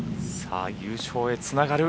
優勝へつながる。